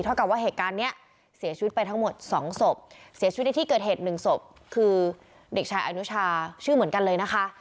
กับว่าเหตุการณ์เนี้ยเสียชีวิตไปทั้งหมดสองศพเสียชีวิตในที่เกิดเหตุหนึ่งศพคือเด็กชายอนุชาชื่อเหมือนกันเลยนะคะ